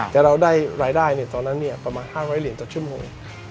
แต่เราได้รายได้ตอนนั้นประมาณ๕๐๐เหรียญต่อชั่วโมง